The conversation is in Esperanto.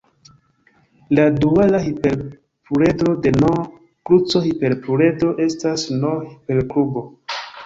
La duala hiperpluredro de "n"-kruco-hiperpluredro estas "n"-hiperkubo.